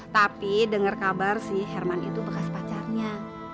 tapi dengar kabar si herman itu bekas pacarnya